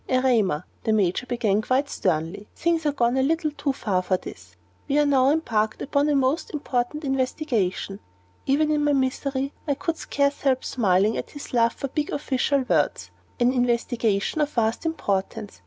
"Erema," the Major began, quite sternly, "things are gone a little too far for this. We are now embarked upon a most important investigation" even in my misery I could scarce help smiling at his love of big official words "an investigation of vast importance.